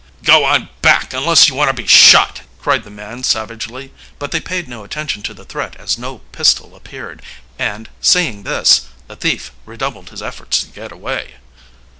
"Go on back, unless you want to be shot!" cried the man savagely, but they paid no attention to the threat as no pistol appeared; and, seeing this, the thief redoubled his efforts to get away.